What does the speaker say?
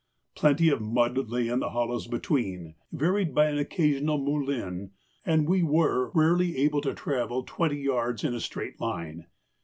Plenty of mud lay in the hollows between, varied by an occasional 'moulin,' and we were rarely able to travel twenty yards in a straight line.